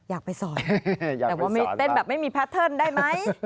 อยากไปสอนแต่ว่าไม่เต้นแบบไม่มีแพทเทิร์นได้ไหม